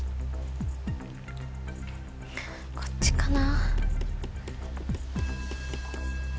こっちかな。